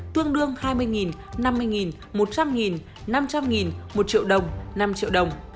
tương đương hai mươi năm mươi một trăm linh năm trăm linh một triệu đồng năm triệu đồng